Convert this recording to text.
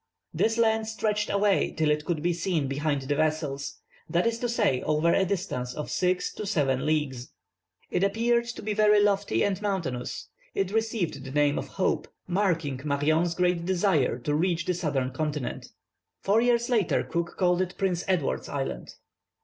This land stretched away till it could be seen behind the vessels, that is to say, over a distance of six to seven leagues. It appeared to be very lofty and mountainous. It received the name of Hope, marking Marion's great desire to reach the southern continent. Four years later Cook called it Prince Edward's Island.